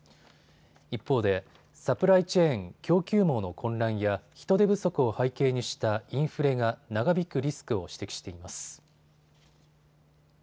一方でサプライチェーン・供給網の混乱や人手不足を背景にしたインフレが長引くリスクを指摘しています。